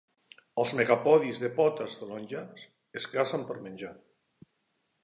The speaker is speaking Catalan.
Els megapòdids de potes taronges es cacen per menjar.